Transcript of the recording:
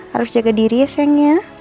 harus jaga diri ya seng ya